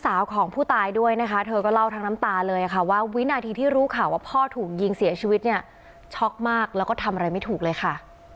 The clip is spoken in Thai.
สาวของผู้ตายด้วยนะคะเธอก็เล่าทั้งน้ำตาเลยค่ะว่าวินาทีที่รู้ข่าวว่าพ่อถูกยิงเสียชีวิตเนี่ยช็อกมากแล้วก็ทำอะไรไม่ถูกเลยค่ะ